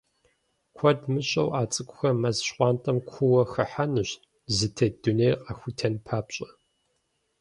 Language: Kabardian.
Куэд мыщӀэу, а цӏыкӏухэр мэз щхъуантӀэм куууэ хыхьэнущ, зытет дунейр къахутэн папщӏэ.